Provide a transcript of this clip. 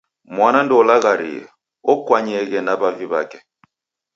Mwana ndoulagharie, okwanyeghe na w'avi w'ake.